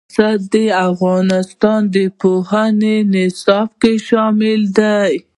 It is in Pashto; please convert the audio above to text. پسه د افغانستان د پوهنې په نصاب کې شامل دی.